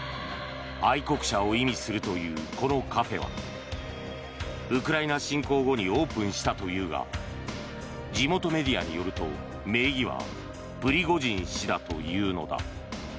愛国者を意味するというこのカフェはウクライナ侵攻後にオープンしたというが地元メディアによると、名義はプリゴジン氏だというのだ。